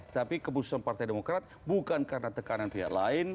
tapi keputusan partai demokrat bukan karena tekanan pihak lain